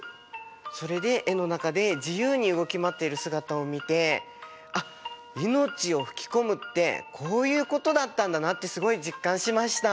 それで絵の中で自由に動き回っている姿を見てあっ生命を吹き込むってこういうことだったんだなってすごい実感しました！